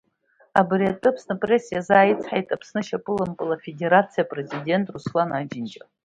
Абри атәы Аԥсныпресс иазааицҳаит Аԥсны ашьапылампыл Афедерациа апрезидент Руслан Аџьынџьал.